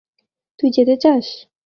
তুই যেতে চাস?